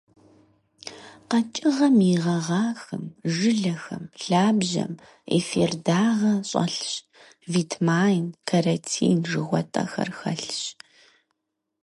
Къэкӏыгъэм и гъэгъахэм, жылэхэм, лъабжьэм эфир дагъэ щӏэлъщ, витмаин, каротин жыхуэтӏэхэр хэлъщ.